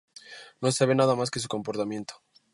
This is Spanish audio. No se sabe nada más de su comportamiento.